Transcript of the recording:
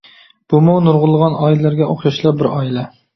بۇمۇ نۇرغۇنلىغان ئائىلىلەرگە ئوخشاشلا بىر ئائىلە.